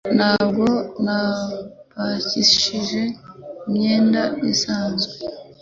Ntabwo napakishije imyenda isanzwe